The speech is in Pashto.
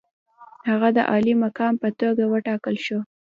هغه د عالي مقام په توګه وټاکل شو.